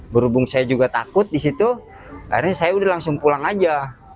berhubung saya juga takut di situ akhirnya saya udah langsung pulang aja